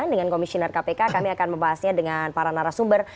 dengan komisioner kpk kami akan membahasnya dengan para narasumber